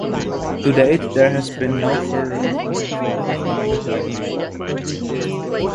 To date there has been no further information forthcoming by email.